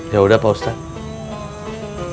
ya udah pak ustadz